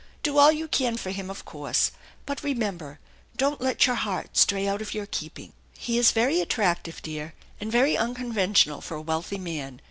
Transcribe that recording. Do all you can for him, of course, but remember, don't let your heart stray out of your keeping. He is very attractive, dear, and very uncon ventional for a wealthy man.